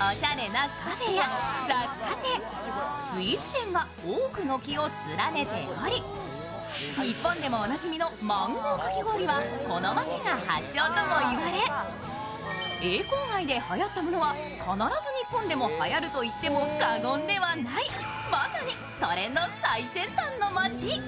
おしゃれなカフェや雑貨店スイーツ店が多く軒を連ねておりスイーツ店が多く軒を連ねておりマンゴーかき氷はこの街が発祥とも言われ、永康街ではやったものは必ず日本ではやると言っても過言ではないまさにトレンド最先端の街。